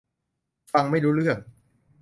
ฟังไม่รู้เรื่อง